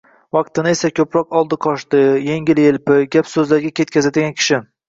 vaqtini esa ko‘proq oldi-qochdi, yengil-yelpi gap-so‘zlarga ketakazadigan kishi